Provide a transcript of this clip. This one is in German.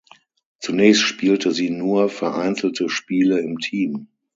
Zunächst spielte sie nur vereinzelte Spiele im Team.